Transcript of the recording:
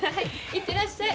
行ってらっしゃい。